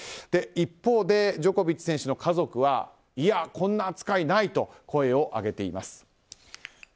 一方でジョコビッチ選手の家族はいや、こんな扱いはないと声を上げています。